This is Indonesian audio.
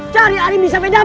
cari arimbi sampai dapat